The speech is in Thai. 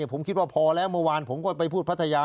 ผมคิดว่าพอแล้วเมื่อวานผมก็ไปพูดพัทยา